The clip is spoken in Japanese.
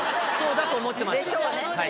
そうだと思ってました。